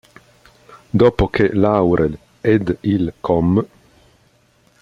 Dopo che Laurel ed il com.